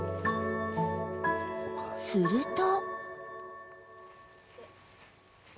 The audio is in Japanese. ［すると］